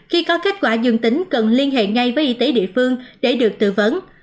khi có kết quả dương tính cần liên hệ ngay với y tế địa phương để được tư vấn